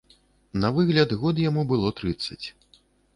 На выгляд год яму было трыццаць.